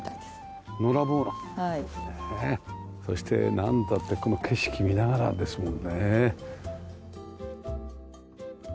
そしてなんたってこの景色見ながらですもんね。